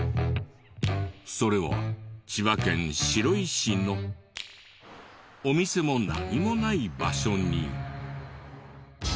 それは千葉県白井市のお店も何もない場所に。